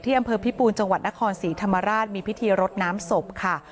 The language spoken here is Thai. อำเภอพิปูนจังหวัดนครศรีธรรมราชมีพิธีรดน้ำศพค่ะ